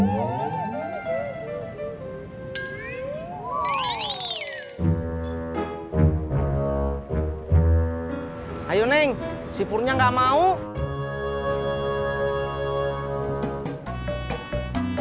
mas kamu aja yang narik neng laras kan giliran lo tis siapa tahu kamu mau pdkt pur